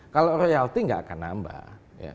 kalau royalty gak akan nambah